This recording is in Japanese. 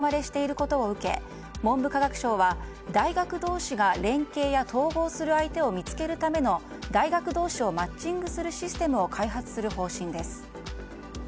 少子化により私立大学が定員割れしていることを受け文部科学省は大学同士が、連携や統合する相手を見つけるための大学同士をマッチングするシステムを開発する方針です。